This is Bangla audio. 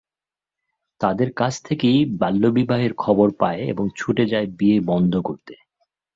তাদের কাছ থেকেই বাল্যবিবাহের খবর পায় এবং ছুটে যায় বিয়ে বন্ধ করতে।